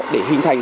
để hình thành